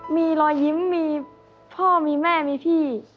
มีรอยยิ้มมีพ่อมีแม่มีพี่